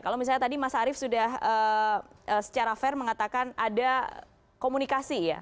kalau misalnya tadi mas arief sudah secara fair mengatakan ada komunikasi ya